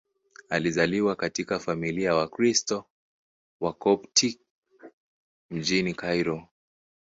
Alizaliwa katika familia ya Wakristo Wakopti mjini Kairo.